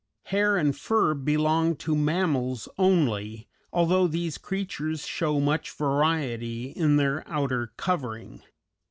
Hair and fur belong to mammals only, although these creatures show much variety in their outer covering.